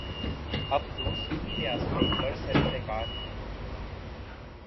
اب دوسنی ریاستیں برسر پیکار ہیں۔